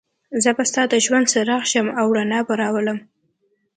زه به ستا د ژوند څراغ شم او رڼا به راولم.